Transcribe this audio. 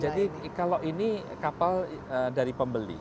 jadi kalau ini kapal dari pembeli